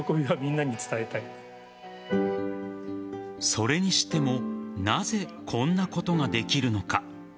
それにしてもなぜこんなことができるのか。